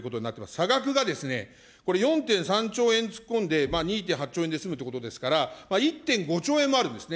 差額がこれ、４．３兆円突っ込んで２．８兆円で済むということですから、１．５兆円もあるんですね。